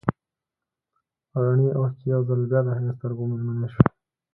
رڼې اوښکې يو ځل بيا د هغې د سترګو مېلمنې شوې.